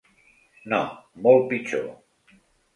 No, molt pitjor.